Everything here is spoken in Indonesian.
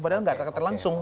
padahal nggak terlalu langsung